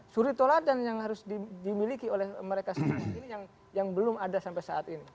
suri toladan yang harus dimiliki oleh mereka sendiri ini yang belum ada sampai saat ini